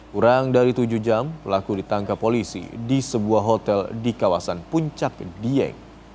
kurang dari tujuh jam pelaku ditangkap polisi di sebuah hotel di kawasan puncak dieng